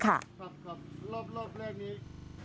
ครับรอบแรกนี้